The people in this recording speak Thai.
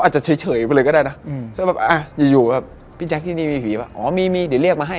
ใช่แต่ว่าถ้ากลัว๙๙